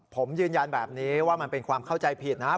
ผมยืนยันแบบนี้ว่ามันเป็นความเข้าใจผิดนะครับ